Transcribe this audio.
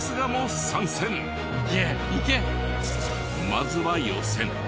まずは予選。